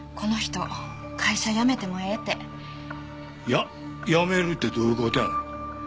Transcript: や辞めるってどういう事やねん。